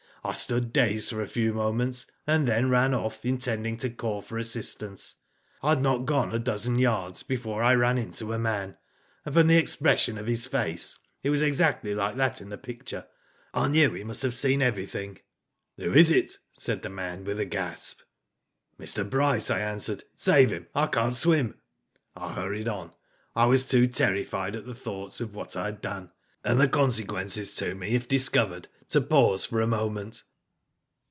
I stood dazed for a few moments, and then ran off intending to call for assistance. I had not gone a dozen yards before I ran into a man, and from the expression of his face — it was exactly like that in the picture — I knew he must have seen everything. "*Who is it?' said the man, with a gasp. Mr. Bryce, I answered. ''Save him. I can't swim. " I hurried on. I was too terrified at the thoughts of what I had done, and the consequences to me if discovered to pause for a moment.